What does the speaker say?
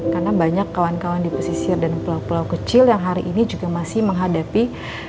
karena banyak kawan kawan di pesisir dan pulau pulau kecil yang hari ini juga masih menghadapi